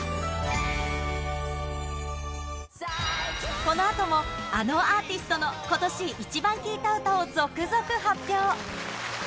このあとも、あのアーティストの今年イチバン聴いた歌を続々発表。